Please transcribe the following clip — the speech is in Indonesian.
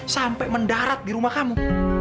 sampai mendarat di rumah kamu